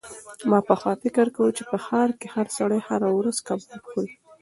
ما پخوا فکر کاوه چې په ښار کې هر سړی هره ورځ کباب خوري.